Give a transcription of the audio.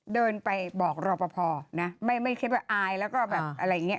เดินไปบอกรอปภนะไม่คิดว่าอายแล้วก็แบบอะไรอย่างนี้